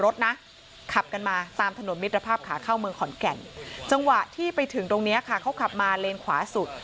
จังหวะที่ไปถึงตรงนี้ค่ะเขากลับมาเลนคว้าสุด